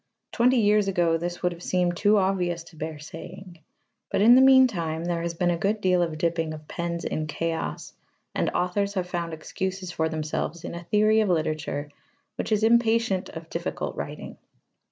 Twenty years ago this would have seemed too obvious to bear saying. But in the meantime there has been a good deal of dipping of pens in chaos, and authors have found excuses for themselves in a theory of literature which is impatient of difficult writing.